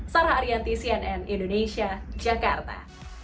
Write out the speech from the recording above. sarah ariyanti cnn indonesia jakarta